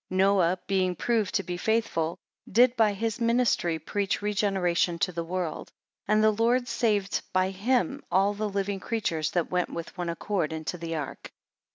3 Noah being proved to be faithful, did by his ministry, preach regeneration to the world; and the Lord saved by him all the living creatures, that went with one accord into the ark.